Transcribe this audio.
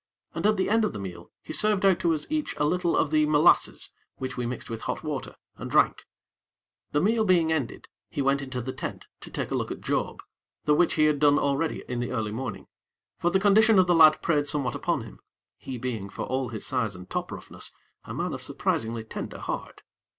And at the end of the meal he served out to us each a little of the molasses, which we mixed with hot water, and drank. The meal being ended, he went into the tent to take a look at Job, the which he had done already in the early morning; for the condition of the lad preyed somewhat upon him; he being, for all his size and top roughness, a man of surprisingly tender heart.